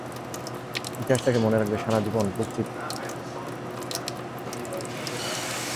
ইতিহাস তাঁকে মনে রাখবে সারা জীবন বুক চিতিয়ে লড়াই করা যোদ্ধা হিসেবেই।